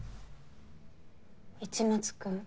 市松君